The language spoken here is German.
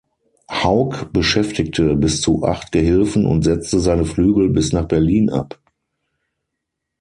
Hauck beschäftigte bis zu acht Gehilfen und setzte seine Flügel bis nach Berlin ab.